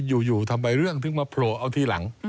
ของเรื่องนี้คืออยู่ทำไมเรื่องเพิ่งมาโผล่เอาทีหลัง